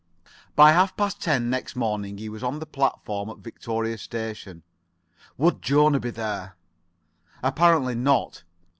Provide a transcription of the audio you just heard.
By half past ten next morning he was on the platform at Victoria station. Would Jona be there? Apparently not.